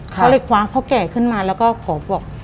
เขาเลยคว้างพ่อแก่ขึ้นมาแล้วก็ขอบอก